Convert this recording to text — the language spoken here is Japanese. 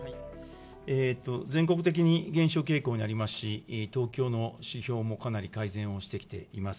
全国的に減少傾向にありますし、東京の指標もかなり改善をしてきています。